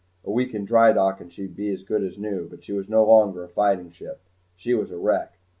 A week in drydock and she'd be as good as new, but she was no longer a fighting ship. She was a wreck.